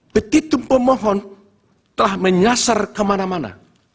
begitu pemohon telah menyasar kemana mana